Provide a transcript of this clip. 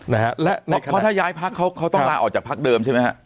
คอถ้าย้ายพักเขาต้องละออกจากพักเดิมใช่ไหม